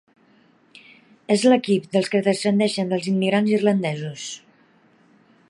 És l'equip dels que descendeixen dels immigrants irlandesos.